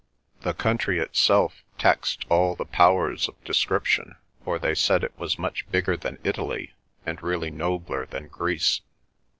The country itself taxed all their powers of description, for they said it was much bigger than Italy, and really nobler than Greece.